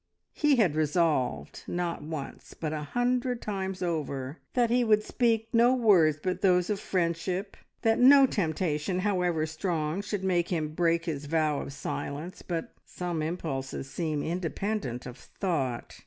He had resolved, not once, but a hundred times over, that he would speak no words but those of friendship; that no temptation, however strong, should make him break his vow of silence; but some impulses seem independent of thought.